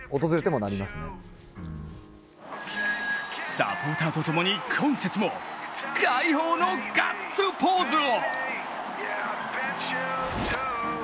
サポーターとともに今節も解放のガッツポーズを！